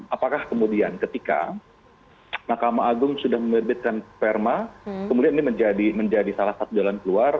apakah kemudian ketika mahkamah agung sudah menerbitkan perma kemudian ini menjadi salah satu jalan keluar